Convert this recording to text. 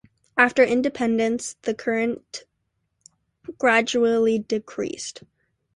After independence the current gradually decreased.